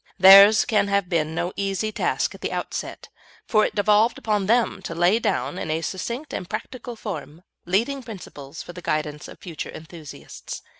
Theirs can have been no easy task at the outset, for it devolved upon them to lay down, in a succinct and practical form, leading principles for the guidance of future enthusiasts.